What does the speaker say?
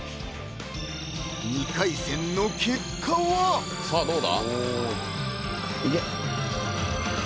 ２回戦の結果はさあどうだ？